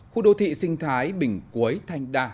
khu đô thị sinh thái bình cuối thanh đa